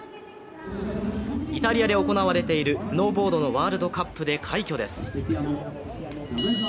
イタリアで行われているスノーボードのワールドカップで快挙です。